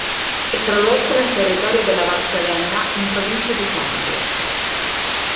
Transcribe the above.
È prodotto nel territorio della Valchiavenna in provincia di Sondrio.